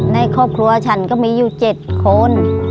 ในครอบครัวฉันก็มีอยู่๗คน